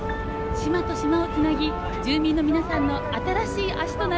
島と島をつなぎ住民の皆さんの新しい足となるのです。